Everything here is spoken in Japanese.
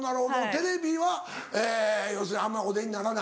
テレビは要するにあんまお出にならない？